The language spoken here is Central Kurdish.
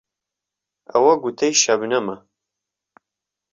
ئەوە گوتەی شەبنەمە